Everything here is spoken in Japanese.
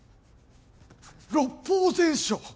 六法全書。